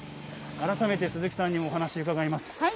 改めて、鈴木さんにもお話伺います。